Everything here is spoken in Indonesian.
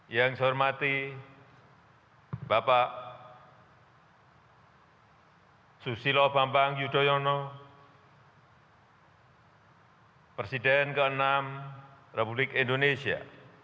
yang saya hormati bapak susilo bambang yudhoyono presiden ke enam republik indonesia